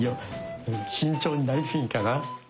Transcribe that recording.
慎重になりすぎかな？